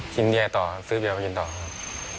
กินเบียร์ต่อซื้อเบียมากินต่อครับ